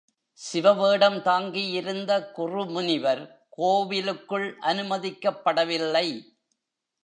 சிவ வேடம் தாங்கியிருந்த குறுமுனிவர் கோவிலுக்குள் அனுமதிக் கப்படவில்லை.